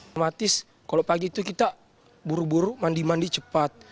ketika pagi itu kita buru buru mandi mandi cepat